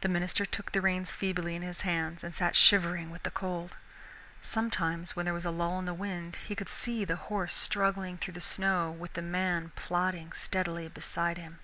The minister took the reins feebly in his hands and sat shivering with the cold. Sometimes when there was a lull in the wind, he could see the horse struggling through the snow with the man plodding steadily beside him.